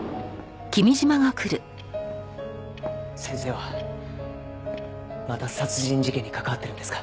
先生はまた殺人事件に関わってるんですか？